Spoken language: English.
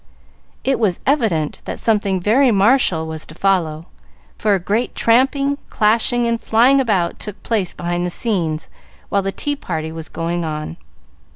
It was evident that something very martial was to follow, for a great tramping, clashing, and flying about took place behind the scenes while the tea party was going on.